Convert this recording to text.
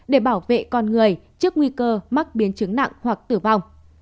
để bảo vệ con người trước nguy cơ mắc biến chứng nặng hoặc tử vong